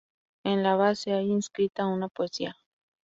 En la base hay inscrita una poesía.